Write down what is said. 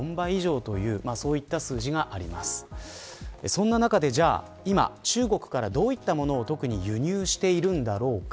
そんな中で今、中国からどういったもの特に輸入しているんだろうか。